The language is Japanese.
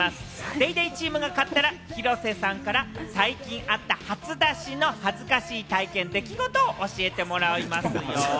ＤａｙＤａｙ．チームが勝ったら、広瀬さんから最近あった初出しの恥ずかしい体験、出来事を教えてもらいますよ。